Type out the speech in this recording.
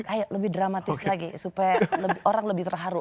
ayo lebih dramatis lagi supaya orang lebih terharu